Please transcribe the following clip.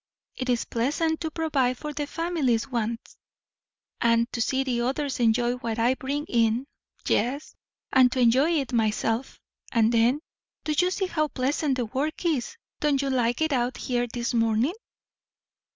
It is pleasant to provide for the family's wants, and to see the others enjoy what I bring in; yes, and to enjoy it myself. And then, do you see how pleasant the work is! Don't you like it out here this morning?"